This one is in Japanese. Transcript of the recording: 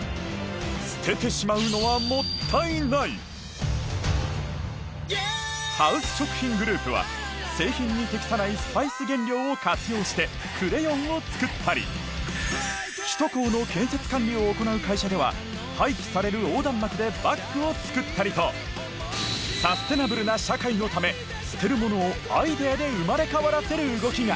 捨ててしまうのはハウス食品グループは製品に適さないスパイス原料を活用してクレヨンを作ったり首都高の建設管理を行う会社では廃棄される横断幕でバッグを作ったりとサステナブルな社会のため捨てるものをアイデアで生まれ変わらせる動きが。